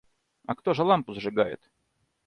А кто же лампу зажигает?